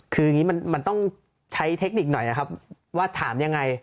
คืออย่างนี้มันต้องใช้เทคนิคหน่อยนะครับว่าถามยังไง